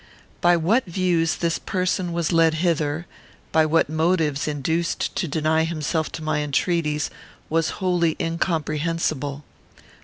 By what views this person was led hither, by what motives induced to deny himself to my entreaties, was wholly incomprehensible.